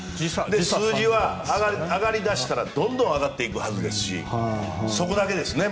数字は上がり出したらどんどん上がっていくはずですしそこだけですね。